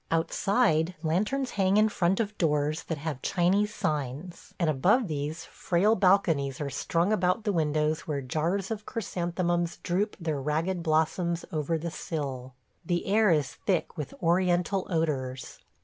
Outside, lanterns hang in front of doors that have Chinese signs, and above these, frail balconies are strung about the windows where jars of chrysanthemums droop their ragged blossoms over the sill. The air is thick with Oriental odors.